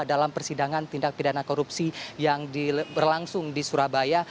dalam persidangan tindak pidana korupsi yang berlangsung di surabaya